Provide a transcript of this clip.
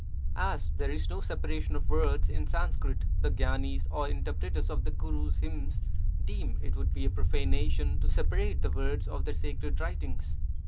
As there is no separation of words in Sanskrit, the gyanis, or inter preters of the Gurus hymns, deem it would be a profanation to separate the words of their sacred writings.